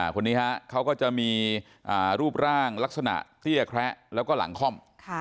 คนนี้เขาก็จะมีรูปร่างลักษณะเตี้ยแคระแล้วก็หลังค่อม